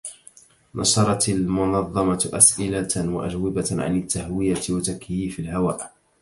نشرت المنظمة أسئلة وأجوبة عن التهوية وتكييف الهواء